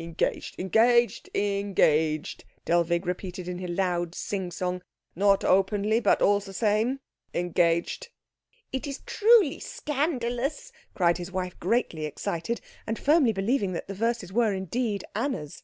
"Engaged, engaged, engaged," Dellwig repeated in a loud sing song, "not openly, but all the same engaged." "It is truly scandalous!" cried his wife, greatly excited, and firmly believing that the verses were indeed Anna's.